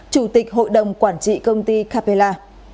chủ tịch hội đồng quản trị công ty capella